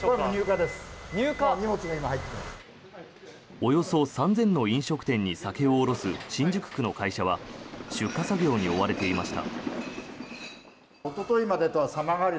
およそ３０００の飲食店に酒を卸す新宿区の会社は出荷作業に追われていました。